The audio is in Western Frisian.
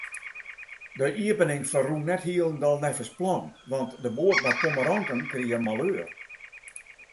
De iepening ferrûn net hielendal neffens plan, want de boat mei pommeranten krige maleur.